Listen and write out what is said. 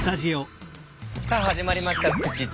さあ始まりました「フクチッチ」。